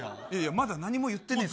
まだ何も言ってないし。